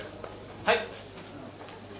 はい。